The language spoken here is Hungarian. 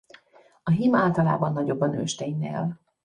A hím általában nagyobb a nősténynél.